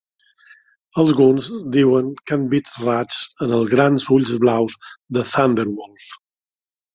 Alguns diuen que han vist raigs en els grans ulls blaus del ThunderWolf.